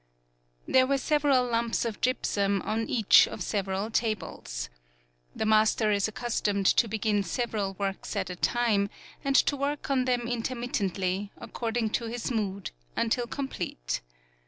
There were several lumps of gypsum on each of several tables. The master is accustomed to begin several works at a time, and to work on them intermit tently, according to his mood, until complete.